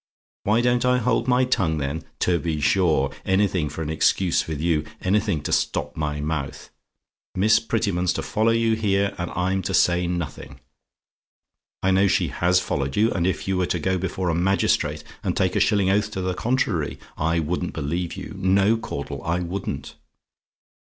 "WHY DON'T I HOLD MY TONGUE THEN? "To be sure; anything for an excuse with you. Anything to stop my mouth. Miss Prettyman's to follow you here, and I'm to say nothing. I know she HAS followed you; and if you were to go before a magistrate, and take a shilling oath to the contrary, I wouldn't believe you. No, Caudle; I wouldn't.